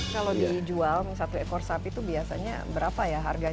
kalau dijual satu ekor sapi itu biasanya berapa ya harganya